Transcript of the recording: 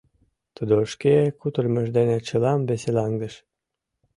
Тудо шке кутырымыж дене чылам веселаҥдыш.